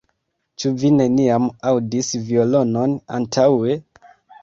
Ĉu vi neniam aŭdis violonon antaŭe?